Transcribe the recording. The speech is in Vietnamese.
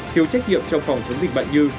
thiếu trách nhiệm trong phòng chống dịch bệnh như